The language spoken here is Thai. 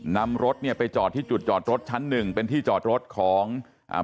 นำรถเนี้ยไปจอดที่จุดจอดรถชั้นหนึ่งเป็นที่จอดรถของอ่า